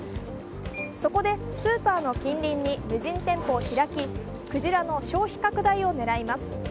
そこで、スーパーの近隣に無人店舗を開きクジラの消費拡大を狙います。